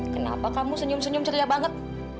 kenapa kamu senyum senyum ceria banget